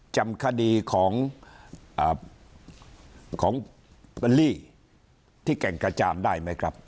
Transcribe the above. จำคดีของเบลลี่ที่แก่งกระจานได้ไหมครับ